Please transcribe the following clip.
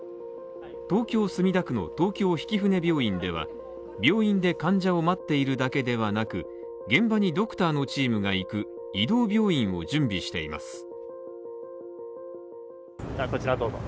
東京・墨田区の東京曳舟病院では、病院で患者を待っているだけではなく、現場にドクターのチームが行く移動病院を準備しています。